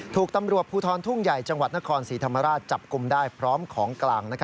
ถูกตำรวจภูทรทุ่งใหญ่จังหวัดนครศรีธรรมราชจับกลุ่มได้พร้อมของกลาง